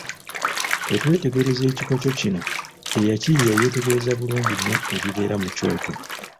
Bwe twetegereza ekikoco kino, eyakiyiiya yeetegereza bulungi nnyo ebibeera mu kyoto.